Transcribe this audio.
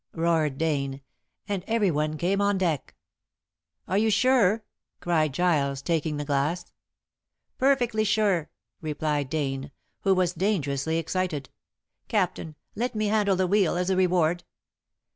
roared Dane, and every one came on deck. "Are you sure?" cried Giles, taking the glass. "Perfectly sure," replied Dane, who was dangerously excited. "Captain, let me handle the wheel as a reward."